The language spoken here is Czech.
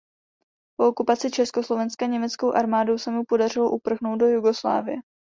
Po okupaci Československa německou armádou se mu podařilo uprchnout do Jugoslávie.